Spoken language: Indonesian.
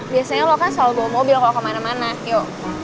biasanya lo kan selalu bawa mobil kalau kemana mana yuk